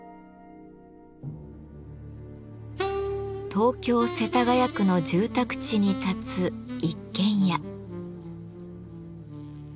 東京・世田谷区の住宅地に建つ一軒家。